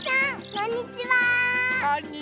こんにちは。